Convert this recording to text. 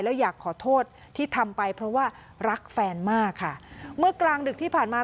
แล้วอยากขอโทษที่ทำไปเพราะว่ารักแฟนมากค่ะเมื่อกลางดึกที่ผ่านมา